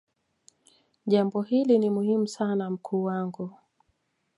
jambo hili ni muhimu sana mkuu wangu